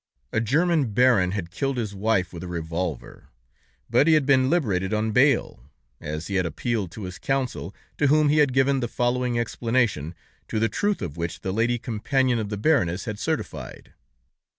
A German baron had killed his wife with a revolver, but he had been liberated on bail, as he had appealed to his counsel, to whom he had given the following explanation, to the truth of which the lady companion of the baroness had certified.